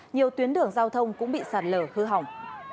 nhiều tuyến đường giao thông cũng bị sạt lở hư hỏng